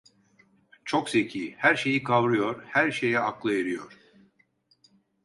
Çok zeki, her şeyi kavrıyor, her şeye aklı eriyor.